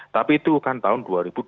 tapi itu bukan tahun dua ribu dua puluh lima